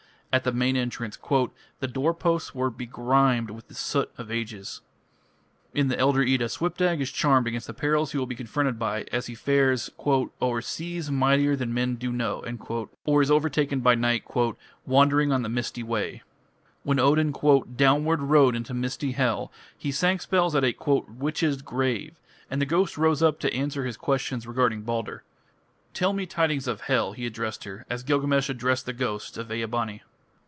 At the main entrance "the door posts were begrimed with the soot of ages". In the Elder Edda Svipdag is charmed against the perils he will be confronted by as he fares "o'er seas mightier than men do know", or is overtaken by night "wandering on the misty way ". When Odin "downward rode into Misty Hel" he sang spells at a "witch's grave", and the ghost rose up to answer his questions regarding Balder. "Tell me tidings of Hel", he addressed her, as Gilgamesh addressed the ghost of Ea bani.